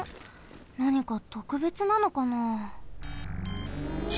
なにかとくべつなのかな？